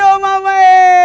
aduh mama e